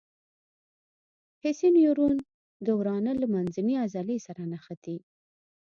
حسي نیورون د ورانه له مخنۍ عضلې سره نښتي.